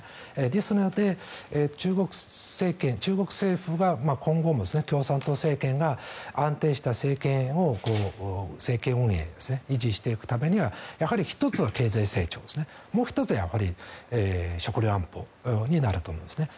ですので、中国政府が今後も共産党政権が安定した政権運営を維持していくためにはやはり１つは経済成長ですねもう１つは食料安保になると思うんですね。